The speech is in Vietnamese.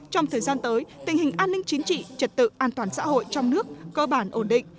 trong thời gian tới tình hình an ninh chính trị trật tự an toàn xã hội trong nước cơ bản ổn định